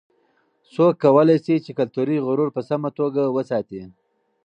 څوک کولای سي چې کلتوري غرور په سمه توګه وساتي؟